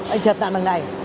anh thiệp nảm bằng này